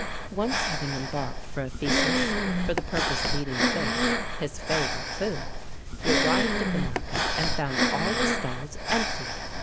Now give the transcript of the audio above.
Once having embarked for Ephesus, for the purpose of eating fish, his favourite food, he arrived at the market, and found all the stalls empty.